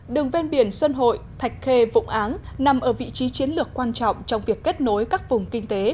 đường ven biển xuân hội thạch khê vụng áng nằm ở vị trí chiến lược quan trọng trong việc kết nối các vùng kinh tế